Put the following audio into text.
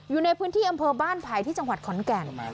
อยู่ในพื้นที่อำเภอบ้านไผ่ที่จังหวัดขอนแก่น